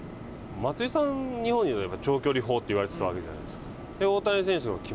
松井さん、日本にいたとき、長距離砲って言われてたじゃないですか。